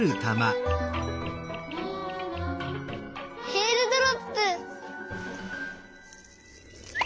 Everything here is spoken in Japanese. えーるドロップ！